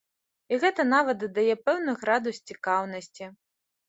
І гэта нават дадае пэўны градус цікаўнасці!